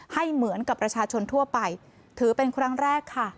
ให้เหมือนกับประชาชนทั่วไปถือเป็นครั้งแรกค่ะ